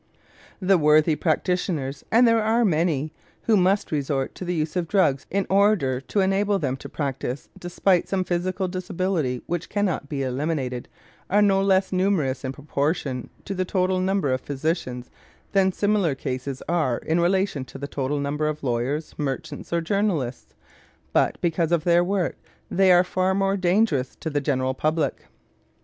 The worthy practitioners and there are many who must resort to the use of drugs in order to enable them to practise despite some physical disability which cannot be eliminated, are no less numerous in proportion to the total number of physicians than similar cases are in relation to the total number of lawyers, merchants, or journalists, but because of the nature of their work, they are far more dangerous to the general public.